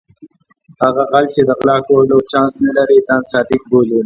هغه غل چې د غلا کولو چانس نه لري ځان صادق بولي.